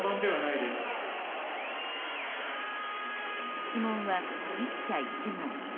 質問は１社１問。